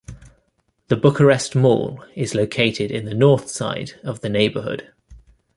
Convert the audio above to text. The Bucharest Mall is located in the north side of the neighbourhood.